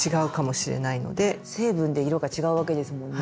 成分で色が違うわけですもんね。